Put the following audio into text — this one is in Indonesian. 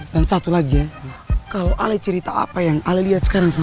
dan satu lagi ya kalau ali cerita apa yang ali lihat sekarang sama lo